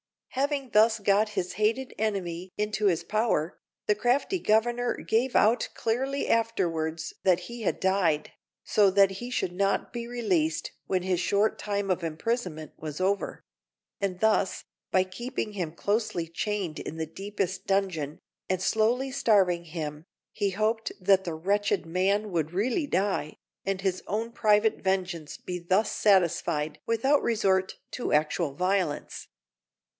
Having thus got his hated enemy into his power, the crafty Governor gave out clearly afterwards that he had died, so that he should not be released when his short time of imprisonment was over; and thus, by keeping him closely chained in the deepest dungeon, and slowly starving him, he hoped that the wretched man would really die, and his own private vengeance be thus satisfied without resort to actual violence.